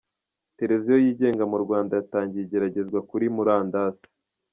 televiziyo yigenga mu Rwanda yatangiye igereragezwa kuri Murandasi